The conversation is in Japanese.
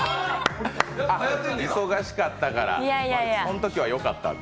忙しかったからこのときはよかったんだ。